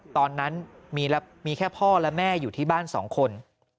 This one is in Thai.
ตอนนั้นมีแค่พ่อและแม่อยู่ที่บ้าน๒คน